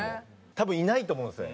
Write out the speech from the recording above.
多分いないと思うんですよね。